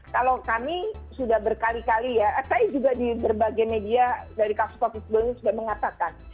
kalau kami sudah berkali kali ya saya juga di berbagai media dari kpai sudah mengatakan